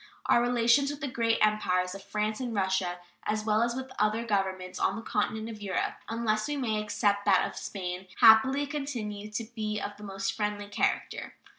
Our relations with the great Empires of France and Russia, as well as with all other governments on the continent of Europe, unless we may except that of Spain, happily continue to be of the most friendly character.